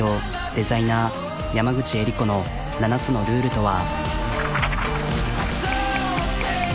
デザイナー山口絵理子の７つのルールとは。